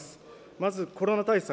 まずコロナ対策。